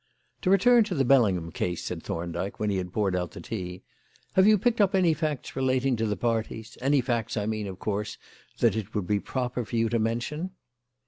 "To return to the Bellingham case," said Thorndyke, when he had poured out the tea. "Have you picked up any facts relating to the parties any facts, I mean, of course, that it would be proper for you to mention?"